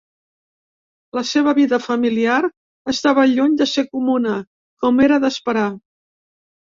La seva vida familiar estava lluny de ser comuna, com era d'esperar.